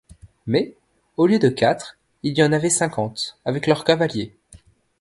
Mais, au lieu de quatre, il y en avait cinquante, avec leurs cavaliers.